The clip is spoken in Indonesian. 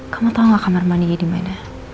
kamu tau gak kamar mandinya dimana